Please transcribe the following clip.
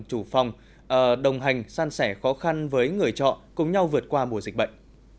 chủ phòng đồng hành san sẻ khó khăn với người trọ cùng nhau vượt qua mùa dịch bệnh